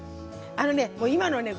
あのねもう今のね